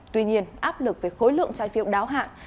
tuy nhiên áp lực về khối lượng trái phiếu đáo hạn